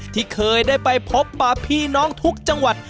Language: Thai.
ที่เคยได้ไปพบป่าพี่น้องทุกจังหวัด